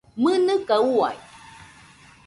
¡Mɨnɨka uai!